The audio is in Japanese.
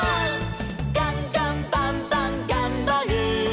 「ガンガンバンバンがんばる！」